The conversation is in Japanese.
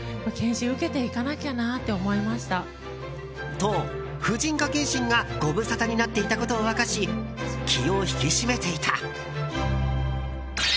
と、婦人科検診がご無沙汰になっていたことを明かし気を引き締めていた。